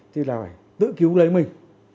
thì là phải tự cứu lấy mình